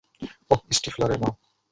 অহ, স্টিফলারের মা।